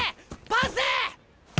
パス！